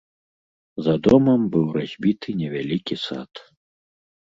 За домам быў разбіты невялікі сад.